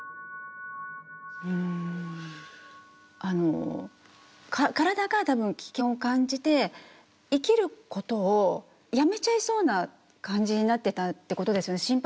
あの体が多分危険を感じて生きることをやめちゃいそうな感じになってたってことですよね。